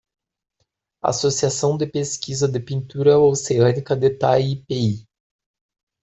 Associação de pesquisa de pintura oceânica de Taipei